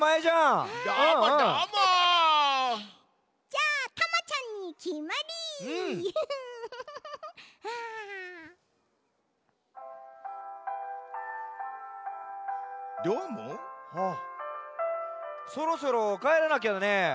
あっそろそろかえらなきゃだね。